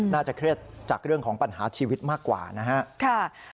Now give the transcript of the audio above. น่าจะเครียดจากเรื่องของปัญหาชีวิตมากกว่านะครับ